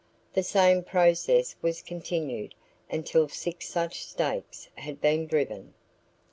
The same process was continued until six such stakes had been driven.